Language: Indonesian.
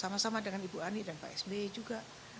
sama sama dengan ibu ani dan pak sby juga